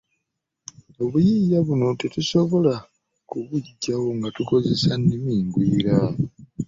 Obuyiiya buno tetusobola kubuggyayo nga tukozesa nnimi ngwira.